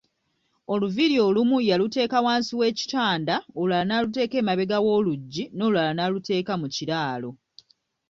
Oluviiri olumu yaluteeka wansi w'ekitanda, olulala n'aluteeka emabega w'oluggi, n'olulala n'aluteeka mu kiraalo.